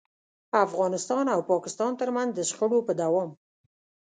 افغانستان او پاکستان ترمنځ د شخړو په دوام.